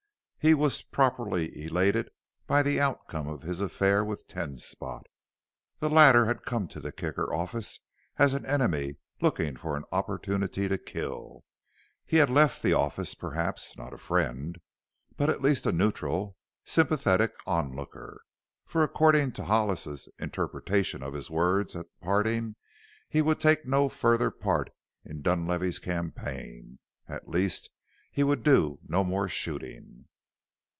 He was properly elated by the outcome of his affair with Ten Spot. The latter had come to the Kicker office as an enemy looking for an opportunity to kill. He had left the office, perhaps not a friend, but at least a neutral, sympathetic onlooker, for according to Hollis's interpretation of his words at parting he would take no further part in Dunlavey's campaign at least he would do no more shooting.